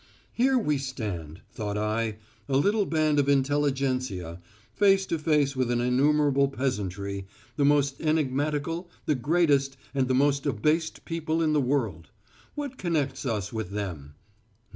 "Here we stand," thought I, "a little band of intelligentsia, face to face with an innumerable peasantry, the most enigmatical, the greatest, and the most abased people in the world. What connects us with them?